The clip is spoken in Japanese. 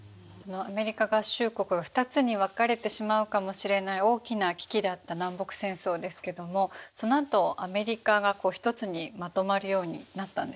アメリカ合衆国が２つに分かれてしまうかもしれない大きな危機だった南北戦争ですけどもそのあとアメリカが一つにまとまるようになったんですか？